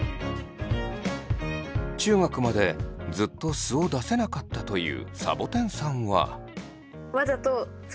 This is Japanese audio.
中学までずっと素を出せなかったというさぼてんさんは。